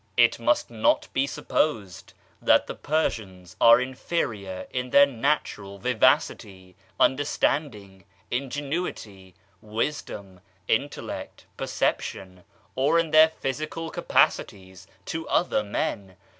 It must not be supposed that the Persians are inferior in their natural vivacity, understanding, ingenuity, wisdom, intellect, perception, or in their physical capacities, to other men.